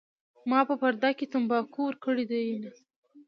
ما په پرده کې تمباکو ورکړي دینه